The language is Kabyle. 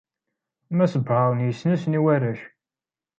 Mass Brown yessen-asen i warrac.